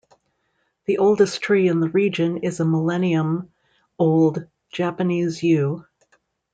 The oldest tree in the region is a millennium-old Japanese yew.